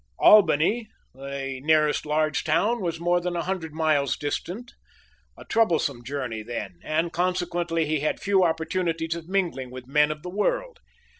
Albany, the nearest large town, was more than a hundred miles distant, a troublesome journey then; and consequently he had few opportunities of mingling with men of the world.